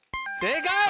正解。